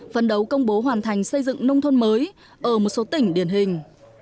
phấn đấu công bố hoàn thành xây dựng nông thôn mới ở một số tỉnh điển hình